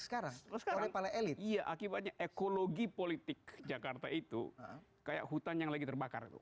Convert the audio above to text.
sekarang elit iya akibatnya ekologi politik jakarta itu kayak hutan yang lagi terbakar